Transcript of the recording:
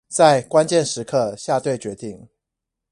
在關鍵時刻下對決定